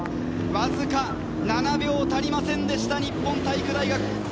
わずか７秒足りませんでした、日本体育大学・